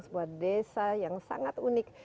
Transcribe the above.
sebuah desa yang sangat unik